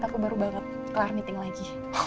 aku baru banget clar meeting lagi